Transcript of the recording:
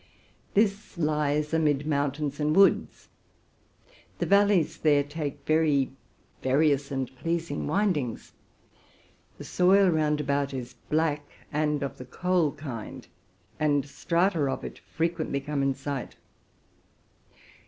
This is situated amid mountains and woods; the valleys there take very various and pleasing windings ; the soil round about is black and of the coal kind, and strata of it frequently come in sight.